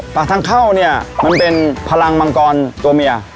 ปากทางเข้าเนี่ยมันเป็นพลังมังกรตัวเมีย